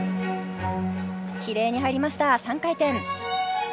キレイに入りました３回転。